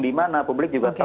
dimana publik juga tahu